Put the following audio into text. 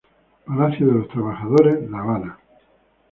Palacio de los Trabajadores, La Habana.